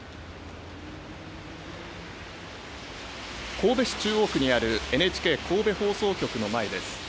神戸市中央区にあるＮＨＫ神戸放送局の前です。